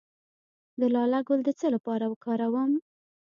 د لاله ګل د څه لپاره وکاروم؟